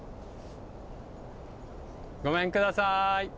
ごめんください。